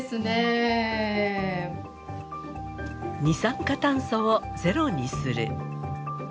二酸化炭素をゼロにする。